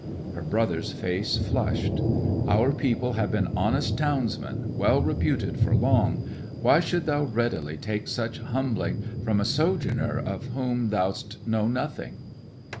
Her brother's face flushed. 'Our people have been honest townsmen, well reputed for long; why should you readily take such humbling from a sojourner of whom th' 'st know nothing?'